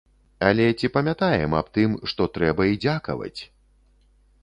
Але ці памятаем аб тым, што трэба і дзякаваць?